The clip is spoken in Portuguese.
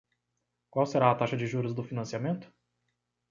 Qual será a taxa de juros do financiamento?